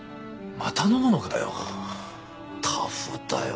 また飲むのかよ。